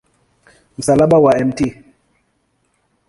Msalaba wa Mt.